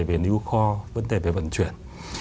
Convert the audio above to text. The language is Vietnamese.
về lưu kho vấn đề về vận chuyển